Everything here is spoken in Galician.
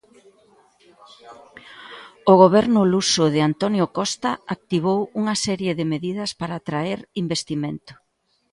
O Goberno luso de António Costa activou unha serie de medidas para atraer investimento.